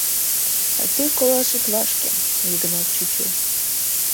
— А тый колаш ит вашке, Йыгнат чӱчӱ.